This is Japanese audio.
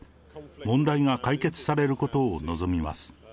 問題が解決されることを望みます。